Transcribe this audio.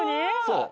そう。